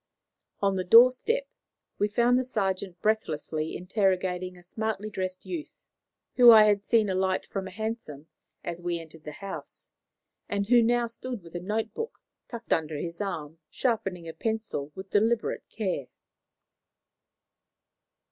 On the doorstep we found the sergeant breathlessly interrogating a smartly dressed youth, whom I had seen alight from a hansom as we entered the house, and who now stood with a notebook tucked under his arm, sharpening a pencil with deliberate care.